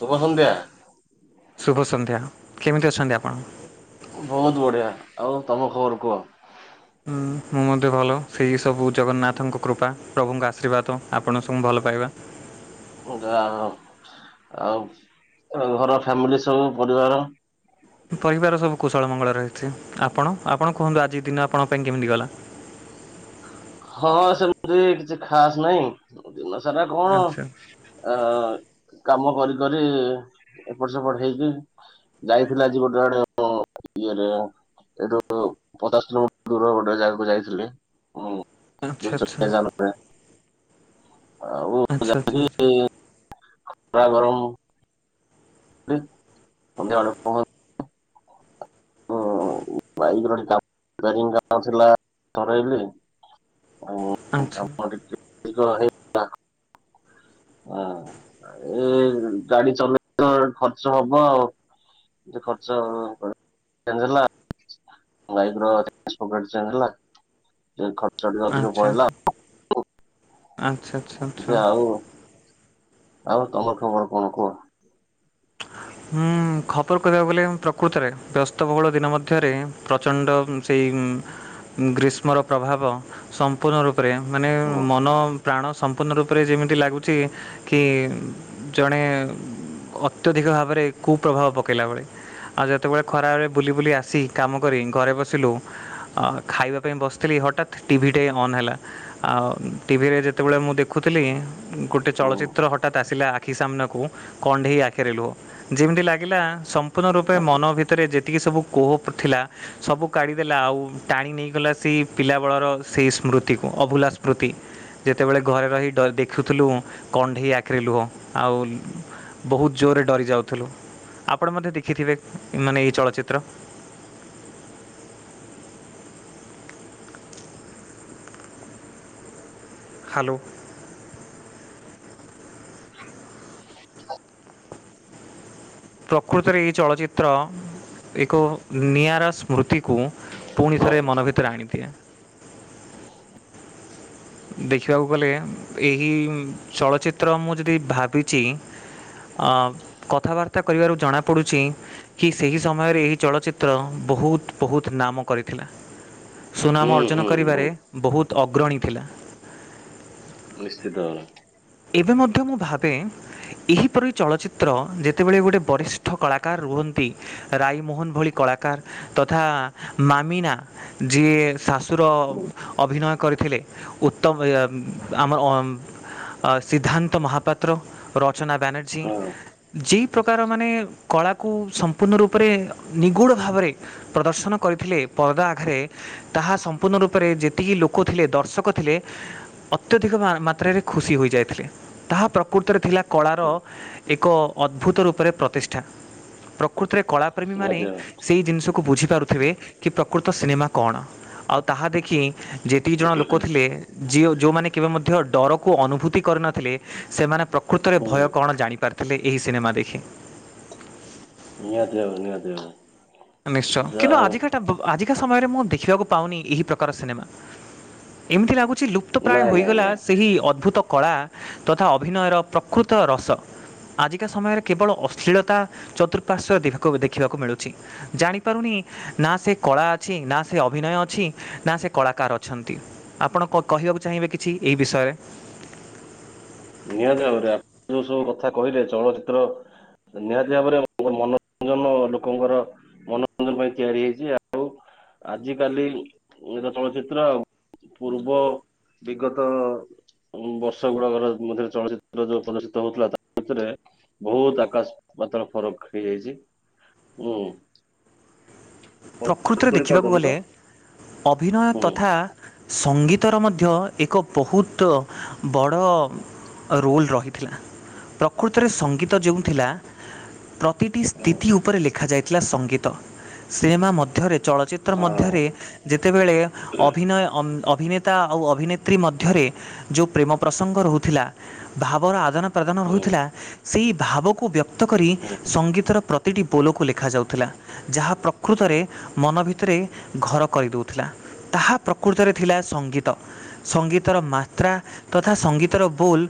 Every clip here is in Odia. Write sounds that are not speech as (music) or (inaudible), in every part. ଶୁଭ ସନ୍ଧ୍ୟା। ଶୁଭ ସନ୍ଧ୍ୟା କେମିତି ଅଛନ୍ତି ଆପଣ? ବୋହୁତୁ ବଢ଼ିଆ ଆଉ ତମ ଖବର କୁହ। ହୁଁ। ମୁଁ ମଧ୍ୟ ଭଲ ସେଇ ସବୁ ଜଗନ୍ନାଥଙ୍କ କୃପା ପ୍ରଭୁଙ୍କ ଆଶୀର୍ବାଦ ଆପଣ ସବୁ ଭଲ ପାଇବା। ଯାହା ହଉ ଆଉ ଘର ଫ୍ୟାମିଲି ସବୁ ପରିବାର? ପରିବାର ସବୁ କୁଶଳ ମଙ୍ଗଳ ରହିଛି। ଆପଣ ଆପଣ କୁହନ୍ତୁ ଆଜି ଦିନ ଆପଣଙ୍କ ପାଇଁ କେମିତି ଗଲା? ହଁ ସେମିତି କିଛି ଖାସ୍ ନାହିଁ ଦିନ ସାରା କଣ ଆଚ୍ଛା ଆଁ କାମ କରି କରି ଏପଟ ସେପଟ ହେଇକି ଯାଇଥିଲା ଆଜି ଗୋଟେ ଆଡେ ଉଁ ଇଏରେ ଏଇଠୁ ପଚାଶ କିଲୋମିଟର ଦୂର ଗୋଟେ ଜାଗାକୁ ଯାଇଥିଲି। ଉଁ। ଆଚ୍ଛା ଦୁଇ ଚକିଆ ଜାନରେ ଆଉ ଆଚ୍ଛା ଆଚ୍ଛା ଯାଇ ଖରା ଗରମ (unintelligible) ସନ୍ଧ୍ୟା ଏଳୁ କ (unintelligible) କାମ ଆଚ୍ଛା ଟିକିଏ ଆଚ୍ଛା ହେଇଗଲା। ହଁ ଏ ଗାଡି ଚଲେଇ ତ ଖର୍ଚ୍ଚ ହବ ଆଉ। ଟିକେ ଖର୍ଚ୍ଚ ହେଲା। ବାଇକର (unintelligible) ହେଲା। ଖର୍ଚ୍ଚ ଟିକେ ଅଧିକ ଆଚ୍ଛା ପଳେଇଲା। ଆଚ୍ଛା ଆଚ୍ଛା ଆଚ୍ଛା ଆଚ୍ଛା ଯେ ଆଉ ଆଉ ତମର ଖବର କଣ କୁହ? ହୁଁ ଖବର କହିବାକୁ ଗଲେ ପ୍ରକୃତରେ ବ୍ୟସ୍ତବହୁଳ ଦିନ ମଧ୍ୟରେ ପ୍ରଚଣ୍ଡ ସେଇ ଗ୍ରୀଷ୍ମର ପ୍ରଭାବ ସମ୍ପୂର୍ଣ୍ଣ ରୂପ ରେ ମାନେ ହୁଁ ମନ ପ୍ରାଣ ସମ୍ପୂର୍ଣ୍ଣ ରୂପରେ ଯେମିତି ଲାଗୁଛି କି ଜଣେ ଅତ୍ୟଧିକ ଭାବରେ କୁ ପ୍ରଭାବ ପକେଇଲା ଭଳି। ଆଉ ଯେତେବେଳେ ଖରା ବେଳେ ବୁଲି ବୁଲି ଆସି କାମ କରି ଘରେ ବସିଲୁ ଅ ଖାଇବା ପାଇଁ ବସିଥିଲି ହଠାତ୍ ଟିଭି ଟେ ଅନ୍ ହେଲା ଆଉ ଟିଭିରେ ଯେତେବେଳେ ମୁଁ ଦେଖୁଥିଲି ଗୋଟେ ହୁଁ ଚଳଚିତ୍ର ହଠତ୍ ଆସିଲା ଆଖି ସାମ୍ନାକୁ କଣ୍ଢେଇ ଆଖିରେ ଲୁହ ଯେମିତି ଲାଗିଲା ସମ୍ପୂର୍ଣ୍ଣ ରୂପେ ମନ ଭିତରେ ଯେତିକି ସବୁ କୋହ ଥିଲା। ସବୁ କାଢିଦେଲା ଆଉ ଟାଣି ନେଇଗଲା ସେଇ ପିଲା ବଳର ସେଇ ସ୍ମୃତିକୁ ଅଭୁଲା ସ୍ମୃତି। ଯେତେବେଳେ ଘରେ ରହି ଡରୀ ଦେଖୁଥିଲୁ କଣ୍ଢେଇ ଆଖିରେ ଲୁହ ଆଉ ବହୁତ ଜୋରରେ ଡରି ଯାଉଥିଲୁ ଆପଣ ମଧ୍ୟ ଦେଖିଥିବେ ମାନେ ଏଇ ଚଳଚ୍ଚିତ୍ର ହ୍ୟାଲୋ। (unintelligible) ପ୍ରକୃତରେ ଏଇ ଚଳଚିତ୍ର ଏକ ନିଆରା ସ୍ମୃତିକୁ ପୁଣି ହଁ ଥରେ ମନ ଭିତରେ ଆଣିଦିଏ। ଦେଖିବାକୁ ଗଲେ ଏହି ଚଳଚ୍ଚିତ୍ର ମୁଁ ଯଦି ଭାବିଚି। ଅଁ କଥାବାର୍ତ୍ତା କରିବାରୁ ଜଣା ପଡୁଚି- କି ସେହି ସମୟରେ ଏହି ଚଳଚ୍ଚିତ୍ର ବହୁତ୍ ବହୁତ୍ ନାମ କରିଥିଲା। ସୁନାମ ହୁଁ ଅର୍ଜନ ହୁଁ କରିବାରେ ବହୁତ ବହୁତ୍ ଅଗ୍ରଣୀ ଥିଲା। ନିଶ୍ଚିତ। ଏବେ ମଧ୍ୟ ମୁଁ ଭାବେ- ଏହିପରି ଚଳଚ୍ଚିତ୍ର ଯେତେବେଳେ ଗୋଟିଏ ବରିଷ୍ଠ କଳାକାର ରୁହନ୍ତି। ରାଇମୋହନ ଭଳି କଳାକାର ତଥା ମାମିନା ଯିଏ- ଶାଶୁର ଅଭିନୟ କରିଥିଲେ ଉତ୍ତମ ଆମର ସିଦ୍ଧାନ୍ତ ମହାପାତ୍ର, ରଚନା ବାନର୍ଜୀ। ହଁ ଯେଉଁ ପ୍ରକାର ମାନେ କଳାକୁ ସମ୍ପୂର୍ଣ୍ଣ ରୂପରେ ନିଗୁଡ ଭାବରେ ପ୍ରଦର୍ଶନ କରିଥିଲେ ପରଦା ଆଘରେ ତାହା ସମ୍ପୂର୍ଣ୍ଣ ରୂପରେ ଯେତିକି ଲୋକ ଥିଲେ ଦର୍ଶକ ଥିଲେ। ଅତ୍ୟଧିକ ମାତ୍ରାରେ ଖୁସି ହୋଇ ଯାଇଥିଲେ ତାହା ପ୍ରକୃତରେ ଥିଲା କଳାର ଏକ ଅଦ୍ଭୁତ ରୂପରେ ପ୍ରତିଷ୍ଠା ପ୍ରକୃତିରେ କଳା ପ୍ରେମୀମାନେ ନିହାତି ଭାବରେ ସେଇ ଜିନିଷକୁ ବୁଝିପାରୁଥିବେ। କି ପ୍ରକୃତ ସିନେମା କଣ ଆଉ ତାହା ଦେଖି ଯେତିକି ଜଣ ଲୋକ ଥିଲେ ଜିଅ ଯୋଉମାନେ କେବେ ମଧ୍ୟ ଡରକୁ ଅନୁଭୁତି କରିନଥିଲେ ସେମାନେ ପ୍ରକୃତରେ ହୁଁ ଭୟ କଣ ଜାଣିପାରିଥିଲେ ଏହି ସିନେମା ଦେଖି। ନିହାତି ନିହାତି ଭାବରେ। ନିଶ୍ଚୟ ଯାହା କିନ୍ତୁ ହଉ ଆଜି ଆଜିକା ସମୟରେ ମୁଁ ଦେଖିବାକୁ ପାଉନି ଏହି ପ୍ରକାର ସିନେମା। ଏମିତି ଲାଗୁଚି ଲୁପ୍ତ ପ୍ରାୟ ନାଇଁ ନାଇଁ ହୋଇଗଲା। ନାଇଁ ସେହି ଅଦ୍ଭୁତ କଳା ତଥା ଅଭିନୟର ପ୍ରକୃତ ରସ ଆଜିକା ସମୟରେ କେବଳ ଅଶ୍ଳୀଳତା ଚତୁଃପାର୍ଶ୍ଵ ଦେଖିବାକୁ ମିଳୁଚି। ଜାଣିପାରୁନି ନା ସେ କଳା ଅଛି ନା ସେ ଅଭିନୟ ଅଛି ନା ସେ କଳାକାର ଅଛନ୍ତି। ଆପଣ କହିବାକୁ ଚାହିଁବେ କିଛି ଏଇ ବିଷୟରେ। ନିହାତି ଭାବରେ ଆପଣ ଯୋଉ ସବୁ କଥା କହିଲେ ଚଳଚିତ୍ର ନିହାତି ଭାବରେ ମନୋରଞ୍ଜନ ଲୋକଙ୍କର ମନୋରଞ୍ଜନ ପାଇଁ ତିଆରି ହେଇଚି ଆଉ ଆଜି କାଲି ର ଚଳଚିତ୍ର ଆଉ ପୂର୍ବ ବିଗତ ବର୍ଷ ଗୁଡାକର ମଧ୍ୟରେ ଚଳଚିତ୍ର ଯୋଉ ପ୍ରଦର୍ଶିତ ହଉଥିଲା ତା ଭିତରେ ବହୁତ ଆକାଶ ପାତାଳ ଫରକ ହେଇଯାଇଚି ହୁଁ। ପ୍ରକୃତରେ ଶୁଣି ଦେଖିବାକୁ ପାରୁଛନ୍ତି ଗଲେ ତ ଅଭିନୟ ହୁଁ ତଥା ସଙ୍ଗୀତର ମଧ୍ୟ ଏକ ବୋହୁତ ବଡ଼- ରୋଲ୍ ରହିଥିଲା। ପ୍ରକୃତରେ ସଙ୍ଗୀତ ଯେଉଁ ଥିଲା ତ- ପ୍ରତିଟି ହୁଁ ସ୍ଥିତି ଉପରେ ଲେଖାଯାଇଥିଲା ସଙ୍ଗୀତ। ସିନେମା ମଧ୍ୟରେ ଚଳଚିତ୍ର ହଁ ମଧ୍ୟରେ ଯେତେବେଳେ ଅଭିନୟ ଅଭିନେତା ଆଉ ଅଭିନେତ୍ରୀ ମଧ୍ୟରେ- ଯୋଉ ପ୍ରେମ ପ୍ରସଙ୍ଗ ରହୁଥିଲା ଭାବର ଆଦାନ- ପ୍ରଦାନ ହୁଁ ହୋଉଥିଲା ସେହି ଭାବକୁ ବ୍ୟକ୍ତ କରି ହୁଁ ସଙ୍ଗୀତର ପ୍ର ପ୍ରତିଟି ବୋଲକୁ ଲେଖାଯାଉଥିଲା ଯାହା ପ୍ରତି ପ୍ରକୃତରେ ମନ ଭିତରେ ଘର କରିଦୋଉଥିଲା ତାହା ପ୍ରକୃତରେ ଥିଲା ସଙ୍ଗୀତ। ସଙ୍ଗୀତର ମାତ୍ରା ତଥା ସଙ୍ଗୀତର ବୋଲ୍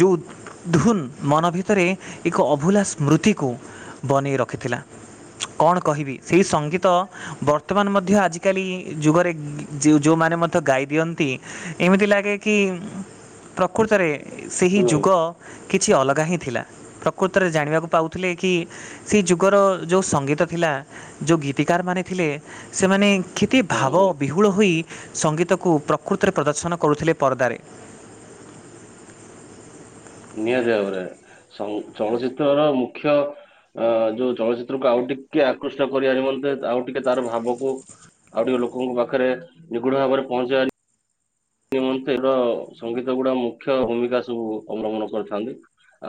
ଯୋଉ- ଧୁନ୍ ମନ ଭିତରେ ଏକ ଅଭୁଲା ସ୍ମୃତିକୁ ବନେଇ ରଖିଥିଲା। କଣ କହିବି ସେଇ ସଙ୍ଗୀତ- ବର୍ତ୍ତମାନ ମଧ୍ୟ ଆଜିକାଲି ଯୁଗରେ ଯୋଉମାନେ ମଧ୍ୟ ଗାଇ ଦିଅନ୍ତି- ଏମିତି ଲାଗେ କି ପ୍ରକୃତରେ ସେହି ହୁଁ ଯୁଗ କି- କିଛି ଅଲଗା ହିଁ ଥିଲା। ପ୍ରକୃତରେ ଜାଣିବାକୁ ପାଉଥିଲେ କି- ସେଇ ଯୁଗର ଯୋଉ ସଙ୍ଗୀତ ଥିଲା ଯୋଉ ଗୀତିକାରମାନେ ଥିଲେ ସେମାନେ କେତେ ହୁଁ ଭାବ ହୁଁ ବିହୁଳ ହୋଇ ସଙ୍ଗୀତକୁ ପ୍ରକୃତରେ ପ୍ରଦର୍ଶନ କରୁଥିଲେ ପରଦାରେ। ନିହାତି ଭାବରେ ସଙ୍ଗ ଚଳଚିତ୍ର ର ମୁଖ୍ୟ ଅ ଯୋଉ ଚଳଚିତ୍ରକୁ ଆଉ ଟିକେ ଆକୃଷ୍ଟ କରିବା ନିମନ୍ତେ ଆଉ ଟିକେ ତାର ଭାବକୁ ଆଉ ଟିକେ ଲୋକଙ୍କ ପାଖେରେ ନିଗୁଡ ଭାବରେ ପହଞ୍ଚେଇବା ନି (inaudible) ସଙ୍ଗୀତ ଗୁଡା ମୁଖ୍ୟ ଭୂମିକା ସବୁ ଅବଲମ୍ବନ କରିଥାନ୍ତି।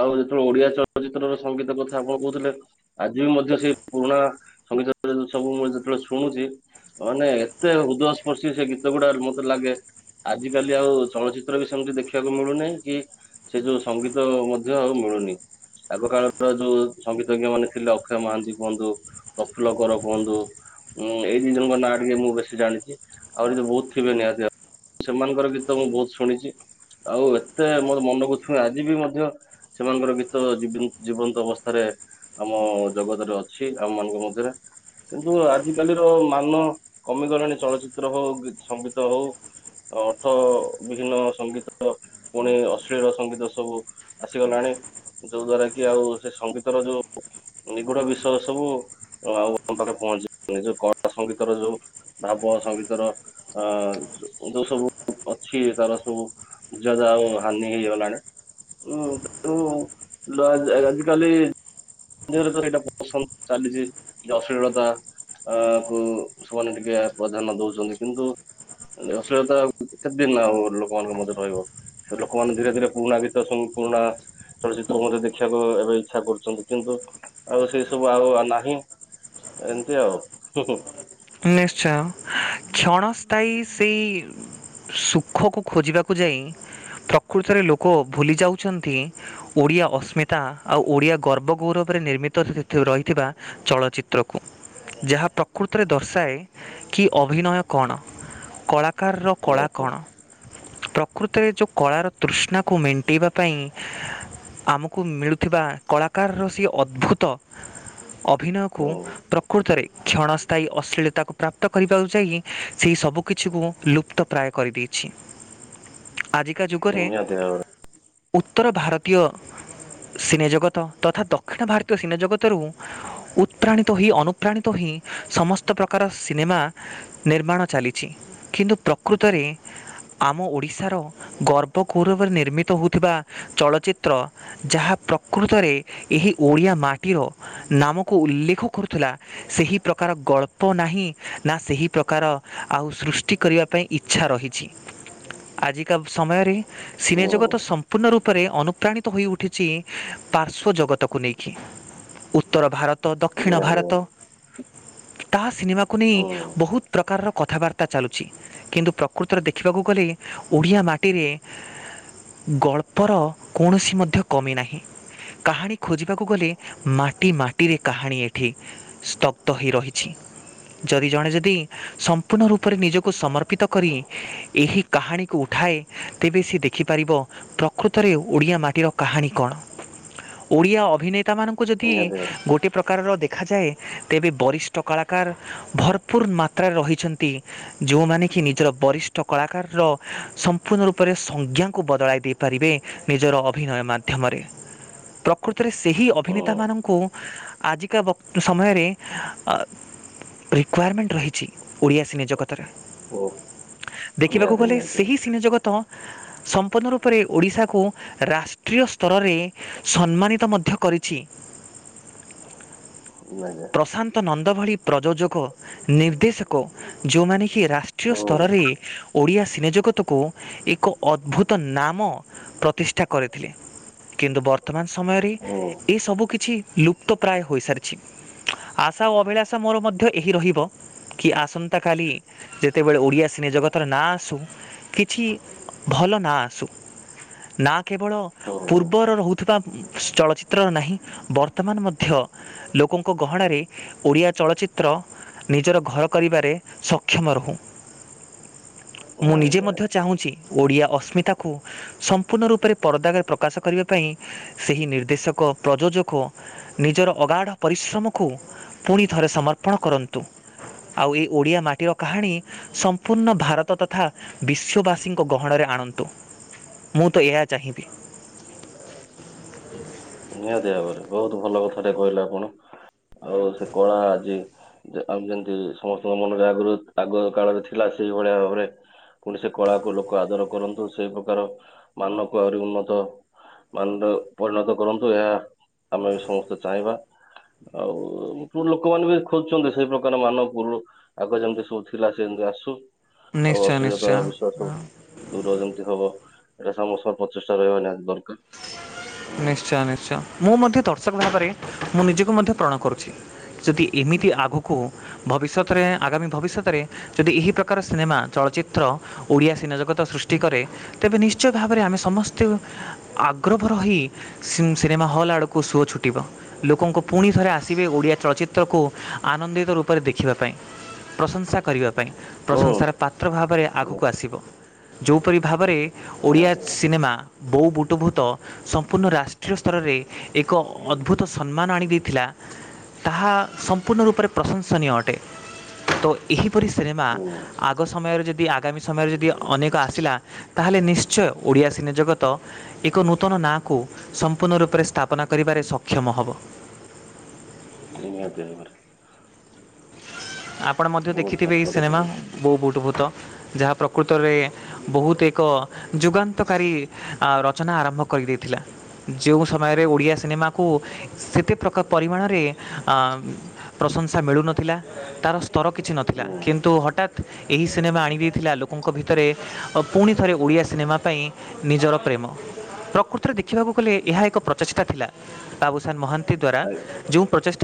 ଆଉ ଯେତେବେଳେ ଓଡିଆ ଚଳଚିତ୍ର ର ସଙ୍ଗୀତ କଥା ଆପଣ କୋହୁଥିଲେ ଆଜି ବି ମଧ୍ୟ ସେ ପୁରୁଣା ସଙ୍ଗୀତ ସବୁ ମୁଁ ଯେତେବେଳେ ଶୁଣୁଚି ମାନେ ଏତେ ହୃଦୟସ୍ପର୍ଶୀ ସେ ଗୀତ ଗୁଡା ମତେ ଲାଗେ। ଆଜି କାଲି ଆଉ ଚଳଚିତ୍ର ବି ସେମିତି ଦେଖିବାକୁ ମିଳୁନାଁହି କି? ସେ ଯୋଉ ସଙ୍ଗୀତ ମଧ୍ୟ ଆଉ ମିଳୁନି। ଆଗକାଳର ଯୋଉ ସଙ୍ଗୀତଜ୍ଞ ମାନେ ଥିଲେ ଅକ୍ଷୟ ମହାନ୍ତି କୁହନ୍ତୁ। ପ୍ରଫୁଲ କର କୁହନ୍ତୁ। ମୁଁ ଏଇ ଦି ଜଣଙ୍କ ନାଁ ଟିକେ ମୁଁ ବେଶୀ ଜାଣିଚି ଆହୁରି ତ ବୋହୁ ଥିବେ ନିହାତି ଭା ସେମାନଙ୍କର ଗୀତ ମୁଁ ବୋହୁତ ଶୁଣିଛି ଆଉ ଏତେ ମୋ ମନକୁ ଛୁଏଁ ଆଜି ବି ମଧ୍ୟ ସେମାନଙ୍କର ଗୀତ ଯିବ ଜୀବନ୍ତ ଅବସ୍ଥାରେ ଆମ ଓ ଜଗତରେ ଅଛି ଆମ ମାନଙ୍କ ମଧ୍ୟରେ। କିନ୍ତୁ ଆଜିକାଲି ର ମାନ କମିଗଲାଣି ଚଳଚିତ୍ର ହଉ ସଙ୍ଗୀତ ହଉ। ଅର୍ଥ ବିହୀନ ସଙ୍ଗୀତ ପୁଣି ଅଶ୍ଳୀଳ ସଙ୍ଗୀତ ସବୁ। ଆସିଗଲାଣି ଯୋଉ ଦ୍ଵାରା କି ଆଉ ସେ ସଙ୍ଗୀତର ଯୋଉ ନିଗୁଡ ବିଷୟ ସବୁ ଆଉ ପାଖରେ ପହଞ୍ଚି ପାରୁନି ଯୋଉ କଳା ସଙ୍ଗୀତର ଯୋଉ ଭାବ ସଙ୍ଗୀତର ଓ ଯୋ ଯୋଉ ସବୁ ଅଛି ତାର ସବୁ ଜାଗା ଆଉ ହାନି ହେଇଗଲାଣି। ଉଂ ହୁଁ ଦା (unintelligible) ଆଜିିକାଲି ଏଇଟା ପସନ୍ଦ ଚାଲିଛି ଯଉ ଅଶୀଳତା (unintelligible) ଏଇଁ ଅଂ କୁ (unintelligible) ସେମାନେ ଟିକେ ପ୍ରଧାନ୍ୟ ଦୋଉଛନ୍ତି କିନ୍ତୁ ଅସିଳତା ତା ଆଉ କେତେ ଦିନ ଆଉ ଲୋକମାନଙ୍କ ମଧ୍ୟରେ ରହିବ? ସେ ଲୋକମାନେ ଧୀରେ ଧୀରେ ପୁରୁଣା ଗୀତ ସଙ୍ଗ ପୁରୁଣା ଚଳଚିତ୍ର ମଧ୍ୟ ଦେଖିବାକୁ ଏବେ ଇଚ୍ଛା କରୁଛନ୍ତି, କିନ୍ତୁ ଆଉ ସେଇ ସବୁ ଆଉ ନାହିଁ। ଏମିତି ଆଉ, ହୁଁ। ନିଶ୍ଚୟ କ୍ଷଣସ୍ଥାୟୀ ସେଇ। ସୁଖକୁ ଖୋଜିବାକୁ ଯାଇ ପ୍ରକୃତରେ ଲୋକ ଭୁଲି ଯାଉଛନ୍ତି। ଓଡ଼ିଆ ଅସ୍ମିତା ଆଉ ଓଡ଼ିଆ ଗର୍ବ ଗୌରବରେ ନିର୍ମିତ ସେଥି ରହିଥିବା। ଚଳଚିତ୍ର କୁ ଯାହା ପ୍ରକୃତରେ। ଦର୍ଶାଏ କି ଅଭିନୟ କ'ଣ କଳାକାରର ହୁଁ କଳା କ'ଣ। ପ୍ରକୃତରେ ଯୋଉ କଳାର ତୃଷ୍ଣାକୁ ମେଣ୍ଟେଇବା ପାଇଁ ଆମକୁ। କୁ ମିଳୁଥିବା କଳାକାର ସେ ଅଦ୍ଭୁତ ଅଭିନୟ କୁ ହୁଁ ପ୍ର। କୋଉଥିରେ କ୍ଷଣସ୍ଥା ଅସ୍ଥାଇ ଅଶ୍ଳୀଳତାକୁ ପ୍ରାପ୍ତ କରିବାକୁ ଯାଇ ସେହି ସବୁକିଛିକୁ ଲୁପ୍ତ ପ୍ରାୟ କରିଦେଇଛି। ଆଜିକା ହୁଁ ଯୁଗରେ ନିହାତି ଭାବରେ ଉତ୍ତର ଭାରତୀୟ। ସିନେଜଗତ ତଥା ଦକ୍ଷିଣ ଭାରତୀୟ ସିନେଜଗତରୁ। ଉତ୍ପାପ୍ରାଣିତ ହୋଇ ଅନୁପ୍ରାଣିତ ହୋଇ। ସମସ୍ତ ପ୍ରକାର ସିନେମା ନିର୍ମାଣ ଚାଲିଛି କିନ୍ତୁ ପ୍ରକୃତରେ। ଆମ ଓଡ଼ିଶାର ଗର୍ବଗୌରବରେ ନିର୍ମିତ ହୋଉଥିବା ଚଳଚ୍ଚିତ୍ର। ଯାହା ପ୍ରକୃତରେ ଏହି ଓଡ଼ିଆ ମାଟିର। ନାମକୁ ଉଲ୍ଲେଖ କରୁଥିଲା ସେହି ପ୍ର। ପ୍ରକାର ଗଳ୍ପ ନାହିଁ ନା ସେହି ପ୍ରକାର ଆଉ ସୃଷ୍ଟି କରିବା ପାଇଁ ଇଚ୍ଛା ରହିଛି। ଆଜିକା ସମୟରେ ସିନେ ହୁଁ ଜଗତ ସମ୍। ସମ୍ପୂର୍ଣ୍ଣ ରୂପରେ ଅନୁପ୍ରାଣିତ ହୋଇଉଠିଛି ପାର୍ଶ୍ଵ ଜଗତକୁ ନେଇକି। ଉତ୍ତର ଭାରତ, ଦକ୍ଷିଣ ନିହାତି ଭାରତ। ତାହା ସିନେମାକୁ ନେଇ ହୁଁ ବହୁତ ପ୍ରକାରର କଥାବାର୍ତ୍ତା। ତା ଚାଲୁଛି କିନ୍ତୁ ପ୍ରକୃତରେ ଦେଖିବାକୁ ଗଲେ ଓଡ଼ିଆ ମାଟିରେ। ଗଳ୍ପର କୌଣସି ମଧ୍ୟ କମି ନାହିଁ। କାହାଣୀ ଖୋଜିବାକୁ ଗଲେ ମାଟି, ମାଟିରେ କାହାଣୀ ଏଠି ସ୍ତବ। ମୁକ୍ତ ହୋଇ ରହିଛି ଯଦି ଜଣେ ଯଦି ସମ୍ପୂର୍ଣ୍ଣ ରୂପରେ ନିଜକୁ ସମର୍ପିତ କରି। ଏହି କାହାଣୀକୁ ଉଠାଏ ତେବେ ସେ ଦେଖିପାରିବ। ପ୍ରକୃତରେ ଓଡ଼ିଆ ମାଟିର କାହାଣୀ କ'ଣ ଓଡ଼ିଆ ଅଭିନେତା ମାନ। ତା କୁ ଯଦି ନିହାତି ଗୋଟେ ପ୍ରକାରର ଦେଖାଯାଏ। ତେବେ ବରିଷ୍ଠ କଳାକାର ଭରପୁର ମାତ୍ରାରେ ରହିଛନ୍ତି। ଯୋଉଁମାନେ କି ନିଜର ବରିଷ୍ଠ କଳାକାରର ସମ୍ପୂର୍ଣ୍ଣ ରୂପରେ ସଂଜ୍ଞାକୁ ବଦଳାଇ ଦେଇପାରିବେ। ନିଜର ଅଭିନୟ ମାଧ୍ୟମରେ ପ୍ର। ପ୍ରକୃତରେ ସେହି ହୁଁ ଅଭିନେତାମାନଙ୍କୁ ଆଜିକା ବକ୍ତ ସମୟରେ। ଅ ରିକ୍ଯୁଆରମେଣ୍ଟ ରହିଛି ଓଡ଼ିଆ ସିନେ ଜଗତ। ତାର ହୁଁ ଦେଖିବାକୁ ନିହାତି ଗଲେ ନିହାତି ସେହି ସିନେ ଜଗତ। ତ ସମ୍ପୂର୍ଣ୍ଣ ରୂପରେ ଓଡ଼ିଶାକୁ ରାଷ୍ଟ୍ରୀୟ ସ୍ତରରେ। ସମ୍ମାନିତ ମଧ୍ୟ କରିଛି। ନା ଜା। ପ୍ରଶାନ୍ତ ନନ୍ଦ ଭଳି ପ୍ରଯୋଜକ। ନିର୍ଦ୍ଦେଶକ ଯୋଉମାନେ କି ରାଷ୍ଟ୍ରୀୟ ହୁଁ ସ୍ତରରେ। ଓଡ଼ିଆ ସିନେଜଗତକୁ ଏକ ଅଦ୍ଭୁତ ନାମ ପ୍ରତିଷ୍ଠା କରିଥିଲେ। କିନ୍ତୁ ବର୍ତ୍ତମାନ ସମୟରେ ହୁଁ ଏ ସବୁ କିଛି ଲୁପ୍ତ ପ୍ରାୟ ହୋଇସାରିଛି। ଆଶା ଓ ଅଭିଳାଷା ମୋର ମଧ୍ୟ ଏହି ରହିବ। କି ଆସନ୍ତାକାଲି ଯେତେବେଳେ ଓଡିଆ ସିନେ ଜଗତରେ ନାଁ ଆସୁ। କିଛି ଭଲ ନାଁ ଆସୁ ନା କେବଳ। ହୁଁ ପୂର୍ବର ରହୁଥିବା ଚଳଚିତ୍ର ନାହି ବର୍ତ୍ତମାନ ମଧ୍ୟ ଲୋକଙ୍କୁ। ଗହଣାରେ ଓଡ଼ିଆ ଚଳଚ୍ଚିତ୍ର ନିଜର ଘର କରିବାରେ ସକ୍ଷମ ରହୁ। ମୁଁ ନିଜେ ଆଜ୍ଞା ମଧ୍ୟ, ଚାହୁଁଛି, ଓଡ଼ିଆ ଅସ୍ମିତାକୁ ସମ୍ପୂର୍ଣ୍ଣ ରୂପରେ ପରଦାରେ ପ୍ରକାଶ କରିବା ପାଇଁ। ସେହି ନିର୍ଦ୍ଦେଶକ ପ୍ରଯୋଜକ ନିଜର ଅଗାଢ, ପରିଶ୍ରମକୁ ପୁଣିଥରେ ସମର୍ପଣ କରନ୍ତୁ। ଆଉ ଏ ଓଡ଼ିଆ ମାଟିର କାହାଣୀ, ସମ୍ପୂର୍ଣ୍ଣ ଭାରତ, ଭତ ତଥା ବିଶ୍ୱବାସୀଙ୍କ ଗହଣରେ ଆଣନ୍ତୁ। ମୁଁ ତ ଏହା ଚାହିଁବି, (unintelligible) ନିହାତିଭାବରେ ବହୁତ ଭଲ କଥାଟା କହିଲେ ଆପଣ। ଆଉ ସେ କଣ ଆଜି, ଆମେ ଯେମତି, ସମସ୍ତଙ୍କ ମନ ଜାଗୃତ ଆଗ କାଳରେ ଥିଲା। ସେଇଭଳିଆ ଭାବରେ, କୌଣସି କଳାକୁ ଲୋକ ଆଦର କରନ୍ତୁ। ସେଇ ପ୍ରକାର ମାନକୁ ଆହୁରି ଉନ୍ନତି, ମାନ ପରିଣତ କରନ୍ତୁ, ଏହା ଆମେ ସମସ୍ତେ ଚାହିଁବା। ଆଉ ଲୋକମାନେ ବି ଖୋଜୁଛନ୍ତି। ସେଇ ପ୍ରକାର ମାନପୁୁର ଆଗ ଯେମିତି ସବୁ ଥିଲା ସେମିତି ଆସୁ, ଆଉ ନିଶ୍ଚୟ ଅସୁବିଧା ବି ନିଶ୍ଚୟ ସବୁ ଦୂର ଯେମିତି ହବ ଏଟା ସମସ୍ତ ପ୍ରଚେଷ୍ଟା ରହିବା ନିହାତି ଦରକାର। ହୁଁ ନିଶ୍ଚୟ, ନିଶ୍ଚୟ ମୁଁ ମଧ୍ୟ ଦର୍ଶକ ଭାବରେ ମୁଁ ନିଜକୁ ମଧ୍ୟ ପ୍ରଣ କରୁଛି। ଯଦି ଏମିତି ଆଗକୁ, ଭବିଷ୍ୟତରେ ଆଗାମୀ ଭବିଷ୍ୟତରେ ଯଦି ଏହି ପ୍ରକାର ସିନେମା ଚଳଚ୍ଚିତ୍ର ଓଡ଼ିଆ ସିନେଜଗତ ସୃଷ୍ଟି କରେ, ତେବେ ନିଶ୍ଚୟ ଭାବରେ ଆମେ ସମସ୍ତେ ଆଗ୍ରଭର, ରହିସିମ୍ ସିନେମା ହଲ୍ ଆଡ଼କୁ ସୁଅ ଛୁଟିବ, ଲୋକଙ୍କୁ ପୁଣି ଥରେ ଆସିବେ, ଓଡ଼ିଆ ଚଳଚିତ୍ରକୁ ଆନନ୍ଦିତ ରୂପରେ ଦେଖିବା ପାଇଁ। ପ୍ରଶଂସା କରିବା ପାଇଁ। ପ୍ରଶଂସାର ହୁଁ ପାତ୍ର ଭାବରେ ଆଗକୁ ଆସିବ। ଯେଉଁପରି ଭାବରେ, ଓଡ଼ିଆ ନିହାତି ସିନେମା ବୋଉ ବୁଟୁଭୂତ ସମ୍ପୂର୍ଣ୍ଣ ରାଷ୍ଟ୍ରୀୟ ସ୍ତରରେ, ଏକ ଅଦ୍ଭୁତ ସମ୍ମାନ ଆଣି ଦେଇଥିଲା। ତାହା ସମ୍ପୂର୍ଣ୍ଣ ରୂପରେ ପ୍ରଶଂସନୀୟ ଅଟେ। ତ ଏହିପରି ସିନେମା ହୁଁ ଆଗ ସମୟରେ ଯଦି, ଆଗ ଆଗାମୀ ସମୟରେ ଯଦି ଅନେକ ଆସିଲା ତାହେଲେ ନିଶ୍ଚୟ ଓଡ଼ିଆ ସିନେ ଜଗତ। ଏକ ନୂ- ନୂତନ ନାଁକୁ ସମ୍ପୂର୍ଣ୍ଣ ରୂପରେ ସ୍ଥାପନା କରିବାରେ ସକ୍ଷମ ହବ। ତିନି ଏପ୍ରେଲ ପରେ, ଆପଣ ମଧ୍ୟ ବହୁତ ଦେଖିଥିବେ ଏଇ ଭଲ କଥା ସିନେମା, କହିଲେ। ବୋଉ ବୁଟୁ ଭୁତ। ଯାହା ପ୍ରକୃତରେ ବହୁତ ଏକ ଯୁଗାନ୍ତକାରୀ ରଚନା ଆରମ୍ଭ କରିଦେଇଥିଲା। ଯେଉ ସମୟରେ ଓଡ଼ିଆ ସିନେମାକୁ ସେତେ ପ୍ରକାର ପରିମାଣରେ ଆଁ ପ୍ରଶଂସା ମିଳୁନଥିଲା। ତାର ସ୍ତର କିଛି ନଥିଲା, ହୁଁ କିନ୍ତୁ ହଠାତ୍ ଏହି ସିନେମା ଆଣିଦେଇଥିଲା ଲୋକଙ୍କ ଭିତରେ। ଓ ପୁଣିଥରେ ଓଡ଼ିଆ ସିନେମା ପାଇଁ ନିଜର ପ୍ରେମ ପ୍ରକୃତରେ ଦେଖିବାକୁ ଗଲେ ଏହା ଏକ ପ୍ରଚେଷ୍ଟା ଥିଲା। ବାବୁସାନ ମହାନ୍ତି ଦ୍ଵାରା ଆଜ୍ଞା ଯେଉଁ ପ୍ରଚେ